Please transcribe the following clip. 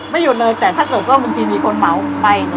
หยุดเลยแต่ถ้าเกิดว่าบางทีมีคนเหมาไป